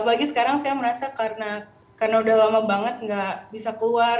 apalagi sekarang saya merasa karena udah lama banget nggak bisa keluar